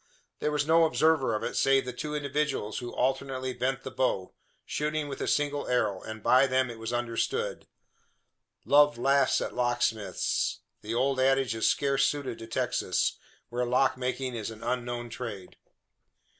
There was no observer of it save the two individuals who alternately bent the bow, shooting with a single arrow; and by them it was understood. "Love laughs at locksmiths." The old adage is scarce suited to Texas, where lock making is an unknown trade.